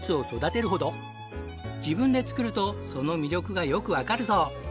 自分で作るとその魅力がよくわかるそう。